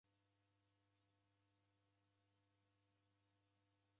Kula isanga jeka na katiba.